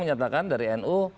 menyatakan dari nu